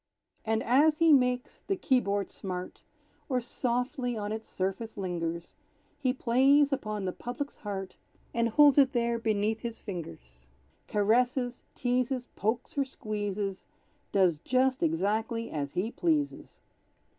And as he makes the key board smart, Or softly on its surface lingers, He plays upon the public's heart, And holds it there beneath his fingers; Caresses, teases, pokes or squeezes, Does just exactly as he pleases.